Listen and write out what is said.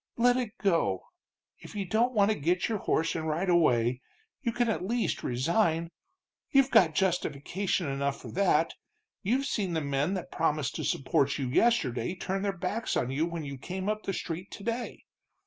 Let it go. If you don't want to get your horse and ride away, you can at least resign. You've got justification enough for that, you've seen the men that promised to support you yesterday turn their backs on you when you came up the street today.